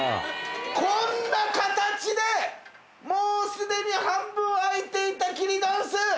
こんな形でもうすでに半分開いていた桐ダンス。